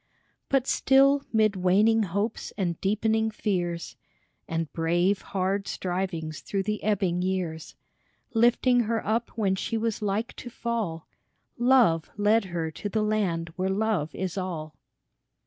ROSE TERRY COOKE 37 But still 'mid waning hopes and deepening fears And brave, hard strivings through the ebbing years, Lifting her up when she was like to fall, Love led her to the land where Love is all.